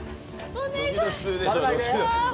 お願い！